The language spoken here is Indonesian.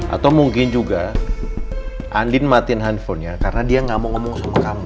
atau mungkin juga andin matiin handphone nya karena dia gak mau ngomong sama kamu